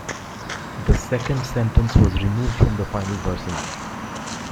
The second sentence was removed from the final version.